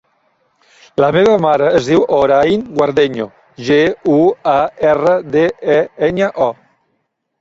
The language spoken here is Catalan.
La meva mare es diu Hoorain Guardeño: ge, u, a, erra, de, e, enya, o.